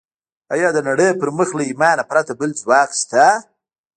ايا د نړۍ پر مخ له ايمانه پرته بل ځواک شته؟